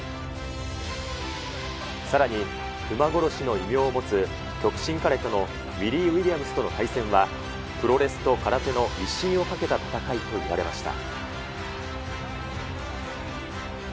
さらに、熊殺しの異名を持つ極真空手のウィリー・ウィリアムスとの一戦はプロレスと空手の威信をかけた戦いといわれました。